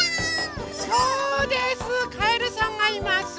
そうですかえるさんがいます。